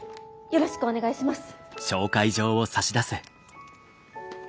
よろしくお願いします！